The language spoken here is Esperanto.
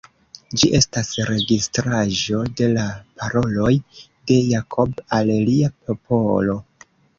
Ĝi estas registraĵo de la paroloj de Jakob al lia popolo.